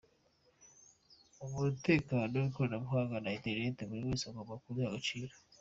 Umutekano w’ikoranabuhanga na internet buri wese agomba kubiha agaciro.